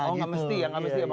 oh gak mesti ya